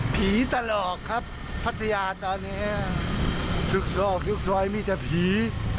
ตลอดครับพัทยาตอนนี้ทุกรอบทุกซอยมีแต่ผี